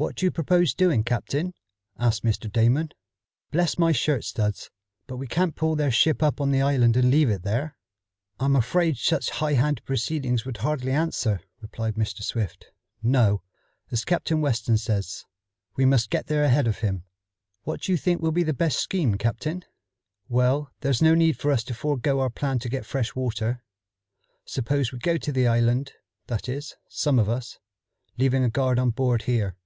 "What do you propose doing, captain?" asked Mr. Damon. "Bless my shirt studs, but can't we pull their ship up on the island and leave it there?" "I'm afraid such high handed proceedings would hardly answer," replied Mr. Swift. "No, as Captain Weston says, we must get there ahead of them. What do you think will be the best scheme, captain?" "Well, there's no need for us to forego our plan to get fresh water. Suppose we go to the island, that is, some of us, leaving a guard on board here.